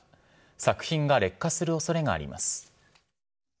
作品が劣化するおそれがあります。